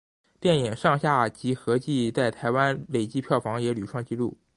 电影上下集合计在台湾累积票房也屡创纪录。